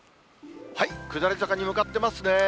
下り坂に向かっていますね。